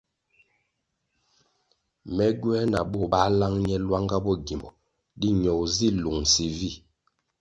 Me gywē nah bo bā lang ne lwanga bo gimbo di ñogo zi lungsi vi.